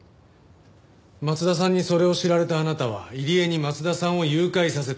松田さんにそれを知られたあなたは入江に松田さんを誘拐させた。